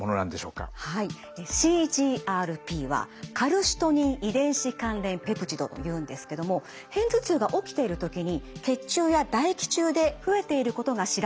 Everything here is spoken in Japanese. はいＣＧＲＰはカルシトニン遺伝子関連ペプチドというんですけども片頭痛が起きている時に血中や唾液中で増えていることが知られている物質です。